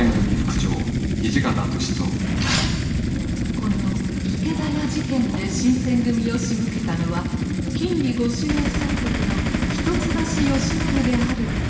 この池田屋事件で新選組をしむけたのは禁裏御守衛総督の一橋慶喜であるとのうわさが流れ。